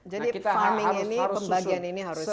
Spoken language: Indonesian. jadi farming ini pembagian ini harus betul betul